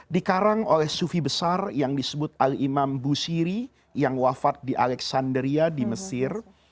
dikarang oleh sufi besar yang disebut al imam busiri yang wafat di alexanderia di mesir